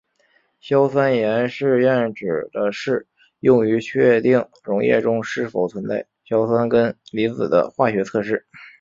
硝酸盐试验指的是用于确定溶液中是否存在硝酸根离子的化学测试。